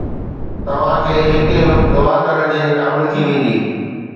توهان کي هڪ ئي وقت دعا ڪرڻ جي قابل ٿي ويندي